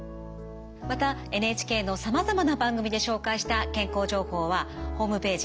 またＮＨＫのさまざまな番組で紹介した健康情報はホームページ